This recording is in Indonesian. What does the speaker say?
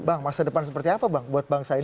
bang masa depan seperti apa bang buat bangsa ini